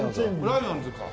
ライオンズか。